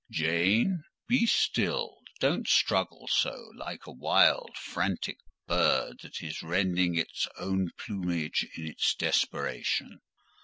"Jane, be still; don't struggle so, like a wild frantic bird that is rending its own plumage in its desperation."